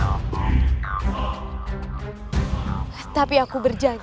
kamu tak akan memerlukan